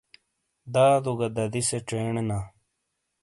دادو گہ ددی سے چینے نا